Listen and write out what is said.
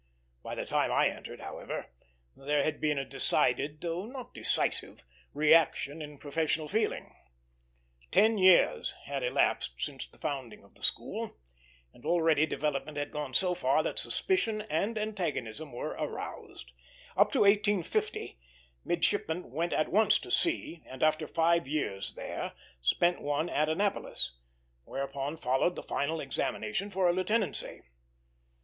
By the time I entered, however, there had been a decided, though not decisive, reaction in professional feeling. Ten years had elapsed since the founding of the school, and already development had gone so far that suspicion and antagonism were aroused. Up to 1850 midshipmen went at once to sea, and, after five years there, spent one at Annapolis; whereupon followed the final examination for a lieutenancy.